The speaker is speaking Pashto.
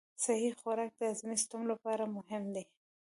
صحي خوراک د هاضمي سیستم لپاره مهم دی.